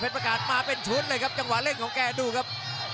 เป็นประกาศมาเป็นชุดเลยครับจังหวะเล่นของแกดูครับ